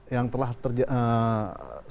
yang telah terjadi